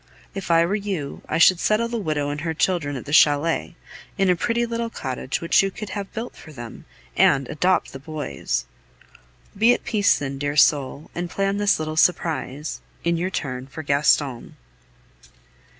If I were you, I should settle the widow and her children at the chalet, in a pretty little cottage which you could have built for them, and adopt the boys! Be at peace, then, dear soul, and plan this little surprise, in your turn, for Gaston.